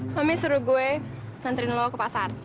mami suruh gue nganterin lo ke pasar